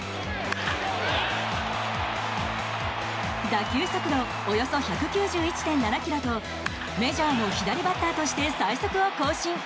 打球速度およそ１９１．７キロとメジャーの左バッターとして最速を更新。